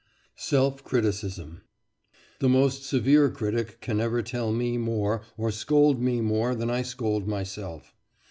SELF CRITICISM The most severe critic can never tell me more, or scold me more than I scold myself.